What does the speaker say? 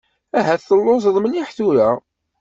Ahat telluẓeḍ mliḥ tura.